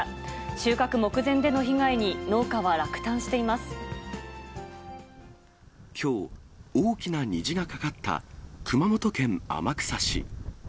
収穫目前での被害に、農家は落胆きょう、大きな虹がかかった熊本県天草市。